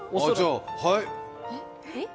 はい。